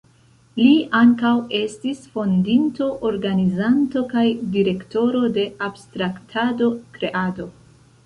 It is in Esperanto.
Li ankaŭ estis fondinto, organizanto kaj direktoro de Abstraktado-Kreado.